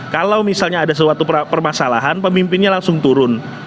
kalau misalnya ada suatu permasalahan pemimpinnya langsung turun